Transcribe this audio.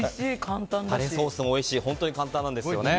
ソースもおいしい本当に簡単なんですよね。